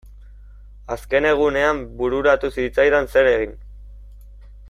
Azken egunean bururatu zitzaidan zer egin.